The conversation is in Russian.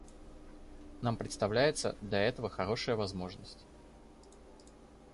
Нам представляется для этого хорошая возможность.